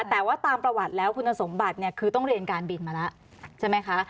แต่ว่าตามประวัติแล้วคุณสมบัติเนี่ยคือต้องเรียนการบินมาแล้วใช่ไหมคะ